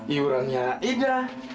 iya orangnya indra